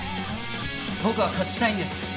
僕は勝ちたいんです。